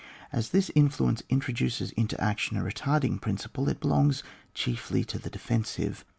As this influence introduces into action a retarding principle, it belongs chiefly to the defensive.